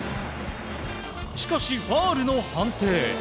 しかし、ファウルの判定。